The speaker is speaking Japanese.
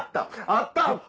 あったあった！